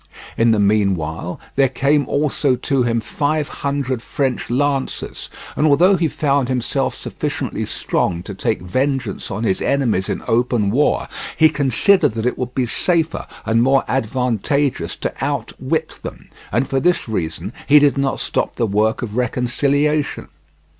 In the meanwhile there came also to him five hundred French lancers, and although he found himself sufficiently strong to take vengeance on his enemies in open war, he considered that it would be safer and more advantageous to outwit them, and for this reason he did not stop the work of reconciliation.